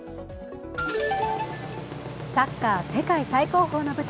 サッカーｍ世界最高峰の舞台